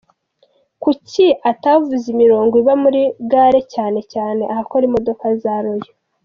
Kuki atavuze imirongo iba iri muri gare cyane cyane ahakora imodoka za Royal.